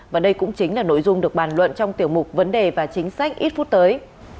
và đây cũng chính là nội dung được bàn luận trong tiểu mục vấn đề và chính sách ít phút tới